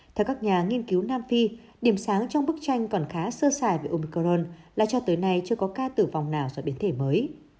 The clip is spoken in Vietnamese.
theo các nhà nghiên cứu nam phi điểm sáng trong bức tranh còn khá sơ sài với omicron là cho tới nay chưa có ca tử vong nào do biến thể mới